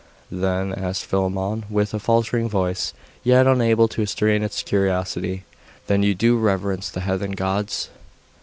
'Then,' asked Philammon, with a faltering voice, yet unable to restrain his curiosity, 'then you do reverence the heathen gods?